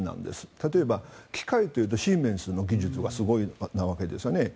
例えば機械というとシーメンスの技術がすごいわけですよね。